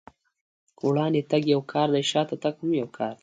وړاندې تګ يو کار دی، شاته تګ هم يو کار دی.